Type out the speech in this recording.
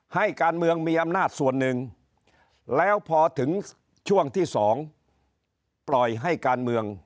ให้การเมืองมีอำนาจส่วนหนึ่งแล้วพอถึงช่วงที่๒ปล่อยให้การเมือง